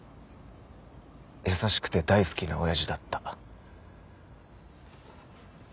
優しくて大好きな親父だった。